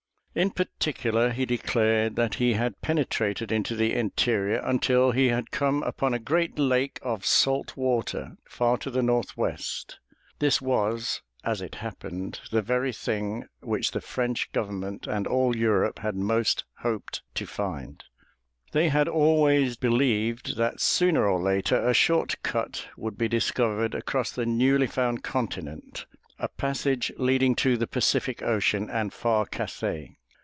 In particular, he declared that he had penetrated into the interior until he had come upon a great lake of salt water, far to the northwest. This was, as it happened, the very thing which the French government and all Europe had most hoped to find. They had always believed that sooner or later a short cut would be discovered across the newly found continent, a passage leading to the Pacific Ocean and far Cathay.